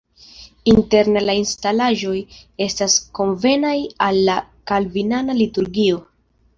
Interne la instalaĵoj estas konvenaj al la kalvinana liturgio.